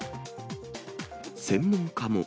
専門家も。